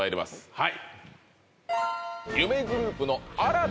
はい